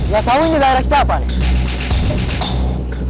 gak tau ini daerah kita apa nih